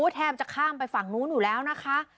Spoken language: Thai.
แทบจะข้ามไปฝั่งนู้นอยู่แล้วนะคะ